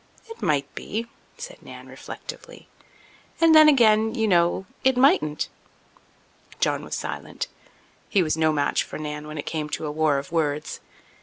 "It might be," said Nan reflectively, "and then again, you know, it mightn't." John was silent; he was no match for Nan when it came to a war of words.